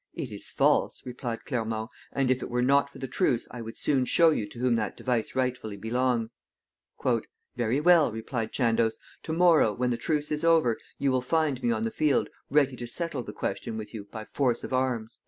"It is false," replied Clermont; "and if it were not for the truce, I would soon show you to whom that device rightfully belongs." "Very well," replied Chandos. "To morrow, when the truce is over, you will find me on the field ready to settle the question with you by force of arms."